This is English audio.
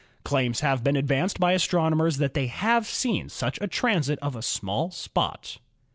Claims have been advanced by astronomers that they have seen such a transit of a small spot.